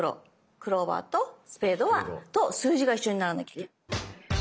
クローバーとスペードはと数字が一緒にならなきゃいけない。